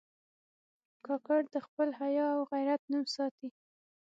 کاکړ د خپل حیا او غیرت نوم ساتي.